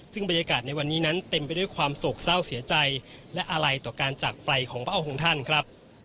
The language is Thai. ซึ่งบรรยากาศในวันนี้นั้นเต็มไปด้วยความโศกเศร้าเสียใจและอาลัยต่อการจากไปของพระองค์ท่านครับ